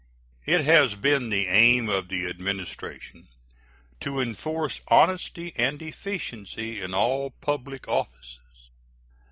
It has been the aim of the Administration to enforce honesty and efficiency in all public offices.